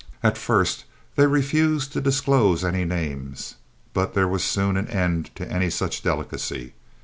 At first they refused to disclose any names; but there was soon an end to any such delicacy.